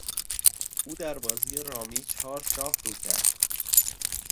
او در بازی رامی چهار شاه رو کرد.